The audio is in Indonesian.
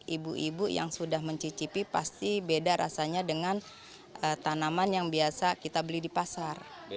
ibu ibu yang sudah mencicipi pasti beda rasanya dengan tanaman yang biasa kita beli di pasar